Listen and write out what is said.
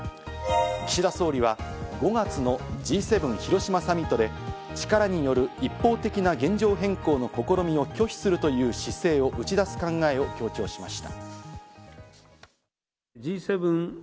岸田総理は５月のＧ７広島サミットで力による一方的な現状変更の試みを拒否するという姿勢を打ち出す考えを強調しました。